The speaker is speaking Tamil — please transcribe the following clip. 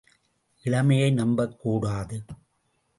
இளமையை நம்பக் கூடாது.